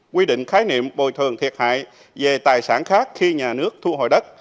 quy định khái niệm bồi thường thiệt hại về tài sản khác khi nhà nước thu hồi đất